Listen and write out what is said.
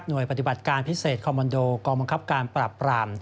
โดยปฏิบัติการพิเศษคอมมันโดกองบังคับการปรับปราม